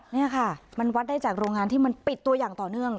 นี่ค่ะมันวัดได้จากโรงงานที่มันปิดตัวอย่างต่อเนื่อง